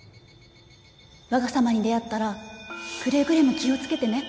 わが様に出会ったらくれぐれも気を付けてね